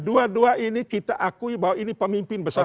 dua dua ini kita akui bahwa ini pemimpin besar